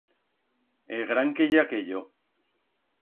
E gran que ye aquello.